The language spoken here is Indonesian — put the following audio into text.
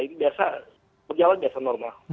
ini biasa berjalan biasa normal